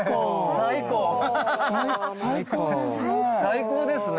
最高ですね。